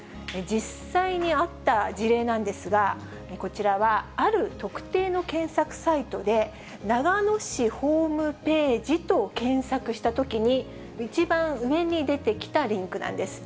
実際にあった事例なんですが、こちらはある特定の検索サイトで、長野市ホームページと検索したときに、一番上に出てきたリンクなんです。